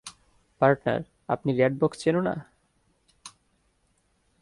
Partner, আপনি red box চেনো না?